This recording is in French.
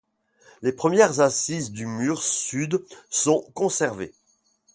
Les premières assises du mur sud sont conservées.